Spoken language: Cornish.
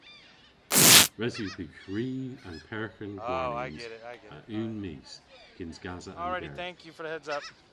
Res yw dhywgh ri an perghen gwarnyans a unn mis kyns gasa an gerth.